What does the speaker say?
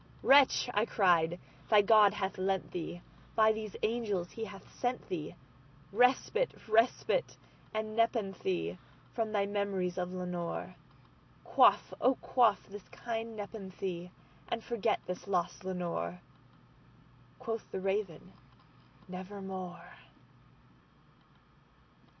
"Wretch," I cried, "thy God hath lent thee—by these angels he hath sent theeRespite—respite and nepenthe from thy memories of Lenore!"Quaff, oh quaff this kind nepenthe, and forget this lost Lenore."Quoth the Raven, "Nevermore."